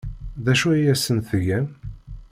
D acu ay asent-tgam?